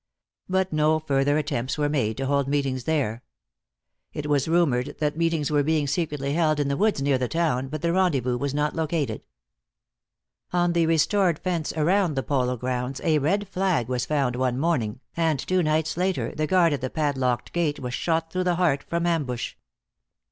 But no further attempts were made to hold meetings there. It was rumored that meetings were being secretly held in the woods near the town, but the rendezvous was not located. On the restored fence around the polo grounds a Red flag was found one morning, and two nights later the guard at the padlocked gate was shot through the heart, from ambush.